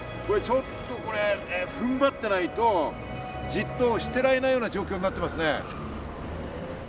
ちょっとこれ踏ん張ってないとじっとしてられないような状況になってますね。